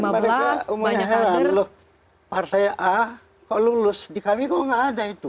mereka umumnya heran loh partai a kok lulus di kami kok nggak ada itu